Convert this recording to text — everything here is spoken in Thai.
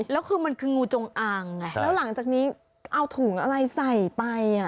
แล้วคือมันคืองูจงอางไงแล้วหลังจากนี้เอาถุงอะไรใส่ไปอ่ะ